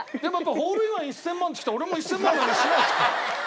ホールインワン１０００万ってきたから俺も１０００万の話しないと。